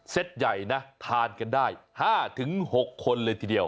ใหญ่นะทานกันได้๕๖คนเลยทีเดียว